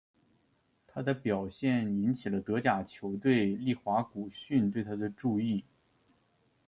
他的表现引起了德甲球队利华古逊对他的注意。